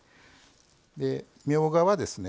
みょうがはですね